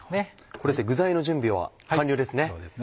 これで具材の準備は完了ですね。